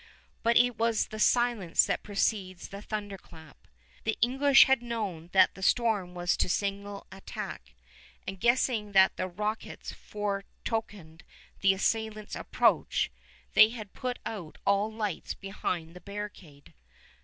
But it was the silence that precedes the thunderclap. The English had known that the storm was to signal attack, and guessing that the rockets foretokened the assailants' approach, they had put out all lights behind the barricade.